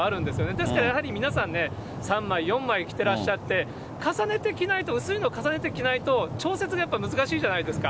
ですから、やはり皆さんね、３枚、４枚着てらっしゃって、重ねて着ないと、薄いの重ねて着ないと、調節がやっぱり難しいじゃないですか。